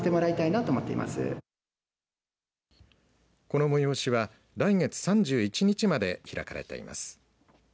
この催しは来月３１日まで開かれています。